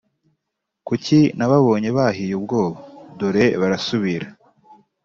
Kuki nababonye bahiye ubwoba Dore barasubira